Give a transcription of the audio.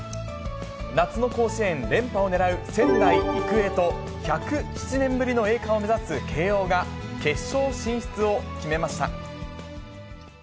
夏の甲子園連覇をねらう仙台育英と、１０７年ぶりの栄冠を目指す慶応が、決勝進出を決めました。